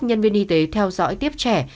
nhân viên y tế theo dõi tiếp trẻ